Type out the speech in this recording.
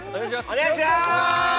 お願いします